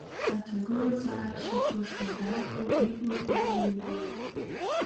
Аҭагылазаашьақәа шуадаҩхо иблақәа рыла ибоит.